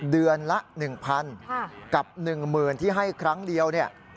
เดือนละ๑๐๐๐กับ๑หมื่นที่ให้ครั้งเดียว